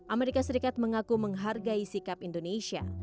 amerika serikat mengaku menghargai sikap indonesia